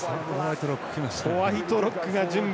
ホワイトロックが準備。